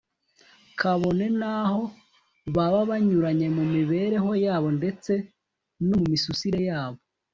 kabone n’aho baba banyuranye mu mibereho yabo ndetse no mu misusire yabo